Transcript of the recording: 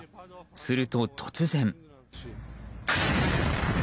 すると突然。